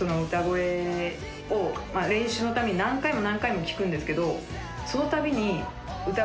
練習のために何回も何回も聴くんですけど。